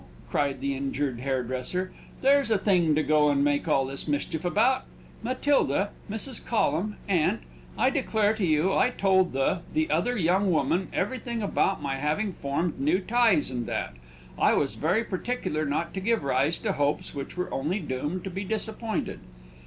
cried the injured hairdresser; "there's a thing to go and make all this mischief about! Matilda, Mrs. Collum, aunt, I declare to you I told the the other young woman everything about my having formed new ties and that. I was very particular not to give rise to hopes which were only doomed to be disappointed.